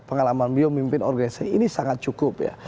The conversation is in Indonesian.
pengalaman beliau memimpin organisasi ini sangat cukup ya